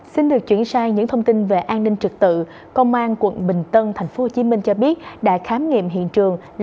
xin được chuyển sang những thông tin về an ninh trực tự công an quận bình tân tp hcm cho biết đã khám nghiệm hiện trường